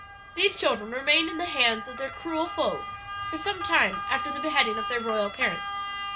"These children remained in the hands of their cruel foes for some time after the beheading of their royal parents.